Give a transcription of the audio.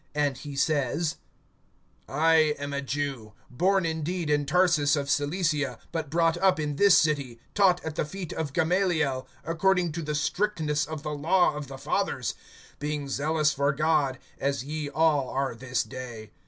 (3)And he says: I am a Jew, born indeed in Tarsus of Cilicia, but brought up in this city, taught at the feet of Gamaliel, according to the strictness of the law of the fathers, being zealous for God, as ye all are this day.